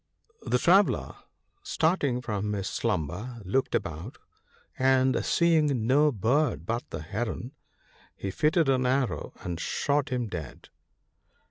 The traveller, starting from his slumber, looked about, and, seeing no bird but the Heron, he fitted an arrow and shot him WAR. 95 dead.